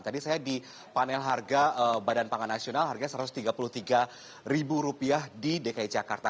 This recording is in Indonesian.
tadi saya di panel harga badan pangan nasional harga rp satu ratus tiga puluh tiga di dki jakarta